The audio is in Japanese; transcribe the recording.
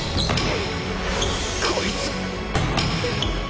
こいつ！